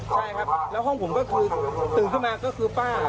ใช่ครับแล้วห้องผมก็คือตื่นขึ้นมาก็คือป้า